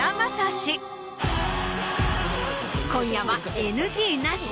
今夜はＮＧナシ。